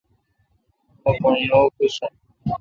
مہ پھوݨ نہ اوکوسو۔